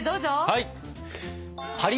はい！